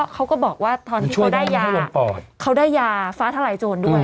เขาก็บอกว่าเขาได้ยาฟ้าทลายโจรด้วย